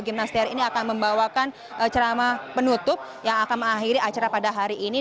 gimnastiar ini akan membawakan ceramah penutup yang akan mengakhiri acara pada hari ini